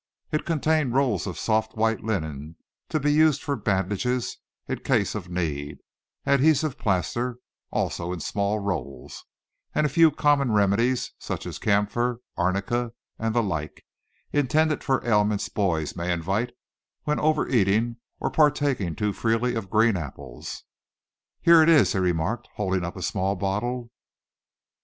It contained rolls of soft white linen to be used for bandages in case of need; adhesive plaster, also in small rolls; and a few common remedies such as camphor, arnica, and the like, intended for ailments boys may invite when overeating, or partaking too freely of green apples. "Here it is," he remarked, holding up a small bottle.